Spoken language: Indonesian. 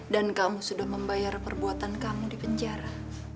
dan kamu sudah membayar perbuatan kamu di penjara